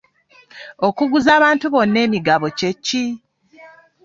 Okuguza abantu bonna emigabo kye ki?